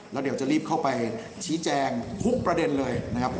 แล้วเดี๋ยวจะรีบเข้าไปชี้แจงทุกประเด็นเลยนะครับ